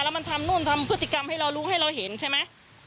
แล้วมันทำนู่นทำพฤติกรรมให้เรารู้ให้เราเห็นใช่ไหม